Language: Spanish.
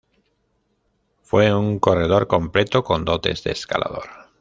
Fue un corredor completo con dotes de escalador.